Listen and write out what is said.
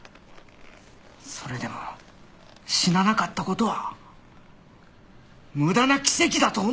それでも死ななかった事は無駄な奇跡だと思うか？